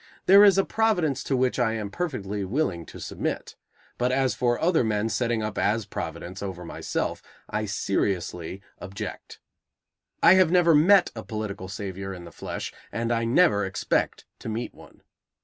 There is a Providence to which I am perfectly willing to submit. But as for other men setting up as Providence over myself, I seriously object. I have never met a political savior in the flesh, and I never expect to meet one.